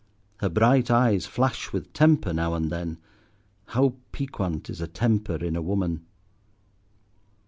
Her bright eyes flash with temper now and then; how piquant is a temper in a woman.